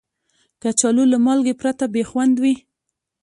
کچالو له مالګې پرته بې خوند وي